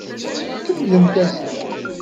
Kemmlem tazzla!